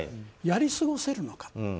やり過ごせるのか。